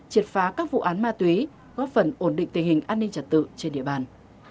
triệt phá các vụ án ma túy góp phần ổn định tình hình an ninh trật tự trên địa bàn